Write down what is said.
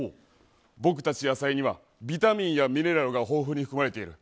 僕たち野菜にはビタミンやミネラルが豊富に含まれている。